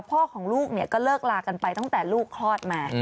พ่อของลูกเนี่ยก็เลิกลากันไปตั้งแต่ลูกคลอดมา